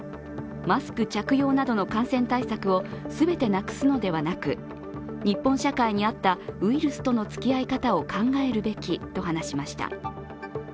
マスク着用などの感染対策を全てなくすのではなく日本社会に合ったウイルスとのつき合い方を考えるべきと話しました。